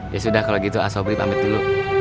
ya sudah kalau gitu ah sobri pamit dulu